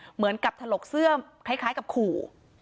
เหมือนกับถลกเสื้อคล้ายกับขู่